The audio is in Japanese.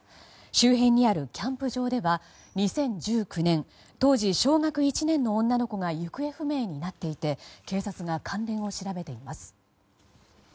周辺にあるキャンプ場では２０１９年当時小学１年の女の子が行方不明になっていて警察が関連を調べています。